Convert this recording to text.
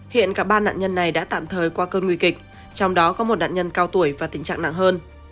hiện cả ba nạn nhân này đã tạm thời qua cơn nguy kịch trong đó có một nạn nhân cao tuổi và tình trạng nặng hơn